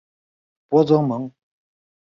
博泽蒙。